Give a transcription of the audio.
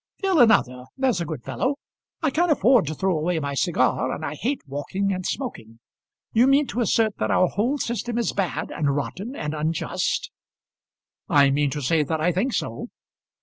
"Fill another, there's a good fellow. I can't afford to throw away my cigar, and I hate walking and smoking. You mean to assert that our whole system is bad, and rotten, and unjust?" "I mean to say that I think so."